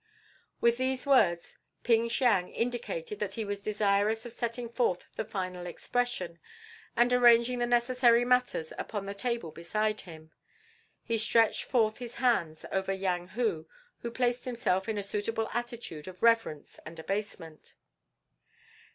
With these words Ping Siang indicated that he was desirous of setting forth the Final Expression, and arranging the necessary matters upon the table beside him, he stretched forth his hands over Yang Hu, who placed himself in a suitable attitude of reverence and abasement.